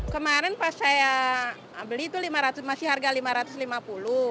kemarin pas saya beli itu masih harga rp lima ratus lima puluh